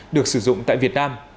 được sử dụng tại việt nam